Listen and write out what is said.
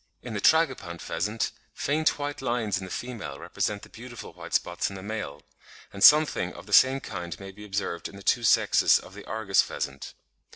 In the Tragopan pheasant faint white lines in the female represent the beautiful white spots in the male (49. Jerdon, 'Birds of India,' vol. iii. p. 517.); and something of the same kind may be observed in the two sexes of the Argus pheasant.